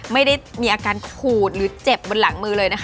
ไม่ได้มีอาการขูดหรือเจ็บบนหลังมือเลยนะคะ